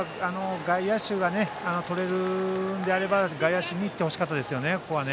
外野手がとれるのであれば外野手にいってほしかったです。